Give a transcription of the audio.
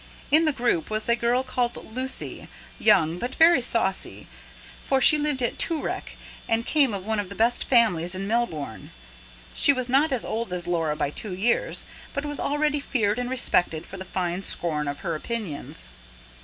In the group was a girl called Lucy, young but very saucy; for she lived at Toorak, and came of one of the best families in Melbourne. She was not as old as Laura by two years, but was already feared and respected for the fine scorn of her opinions.